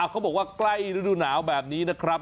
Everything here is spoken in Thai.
เขาบอกว่าใกล้ฤดูหนาวแบบนี้นะครับ